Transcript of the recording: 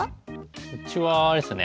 うちはあれですね